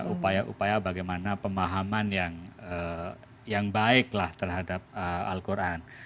upaya upaya bagaimana pemahaman yang baiklah terhadap al quran